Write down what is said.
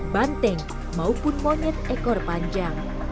banteng maupun monyet ekor panjang